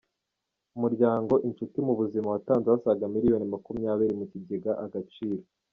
Umuryango “Inshuti mu buzima” watanze asaga miliyoni makumyabiri mu kigega Agaciro